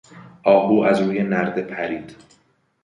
آهو از روی نرده پرید.